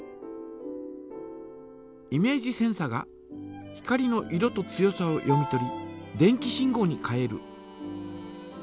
イメージセンサが光の色と強さを読み取り電気信号に変える。